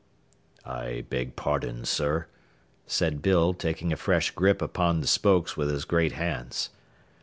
"I beg pardon, sir," said Bill, taking a fresh grip upon the spokes with his great hands.